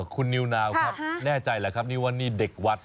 คุณนิวนาวครับแน่ใจแหละครับนี่ว่านี่เด็กวัด